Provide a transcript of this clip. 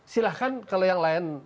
silahkan kalau yang lain